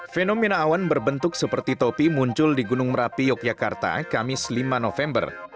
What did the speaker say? fenomena awan berbentuk seperti topi muncul di gunung merapi yogyakarta kamis lima november